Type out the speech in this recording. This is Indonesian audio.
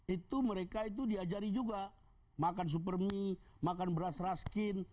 itu mereka itu diajari juga makan super mie makan beras raskin